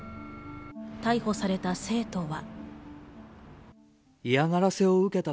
逮捕された生徒は。